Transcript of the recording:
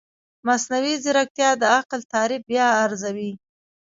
مصنوعي ځیرکتیا د عقل تعریف بیا ارزوي.